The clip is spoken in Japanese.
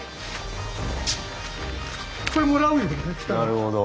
なるほど。